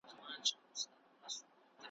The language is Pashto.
نو له کومه یې پیدا کړل دا طلاوي جایدادونه ,